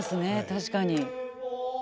確かに。